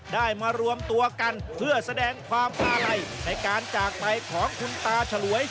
ได้มารวมตัวกันเพื่อแสดงความอาลัยในการจากไปของคุณตาฉลวย